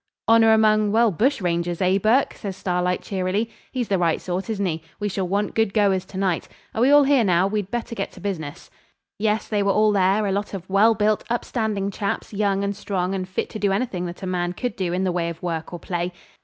'Honour among well bush rangers, eh, Burke?' says Starlight cheerily. 'He's the right sort, isn't he? We shall want good goers to night. Are we all here now? We'd better get to business.' Yes, they were all there, a lot of well built, upstanding chaps, young and strong, and fit to do anything that a man could do in the way of work or play.